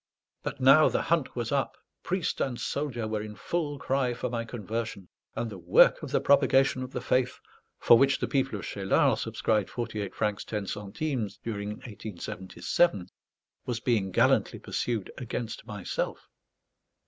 But now the hunt was up; priest and soldier were in full cry for my conversion; and the Work of the Propagation of the Faith, for which the people of Cheylard subscribed forty eight francs ten centimes during 1877, was being gallantly pursued against myself.